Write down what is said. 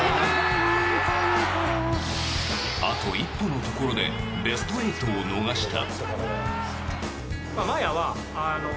あと一歩のところでベスト８を逃した。